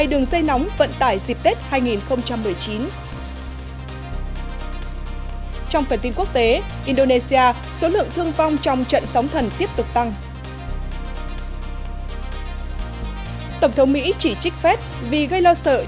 tổng thống mỹ chỉ trích phép vì gây lo sợ cho nền kinh tế mỹ